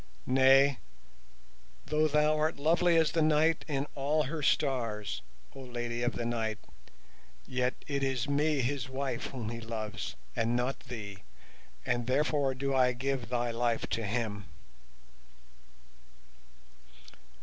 Nay, though thou art lovely as the night in all her stars, O Lady of the Night, yet it is me his wife whom he loves, and not thee, and therefore do I give thy life to him."